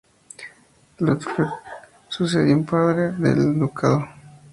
Liutfrid sucedió a su padre en el ducado.